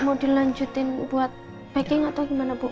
mau dilanjutin buat backing atau gimana bu